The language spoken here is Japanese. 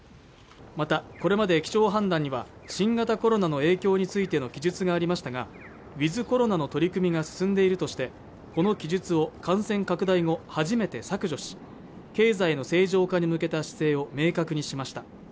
またこれまで基調判断には新型コロナの影響についての記述がありましたがウィズ・コロナの取組が進んでいるとしてこの記述を感染拡大後初めて削除し経済の正常化に向けた姿勢を明確にしました